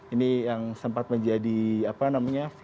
ini yang sempat menjadi apa namanya